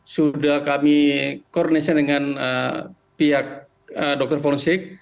sudah kami koordinasi dengan pihak dr forensik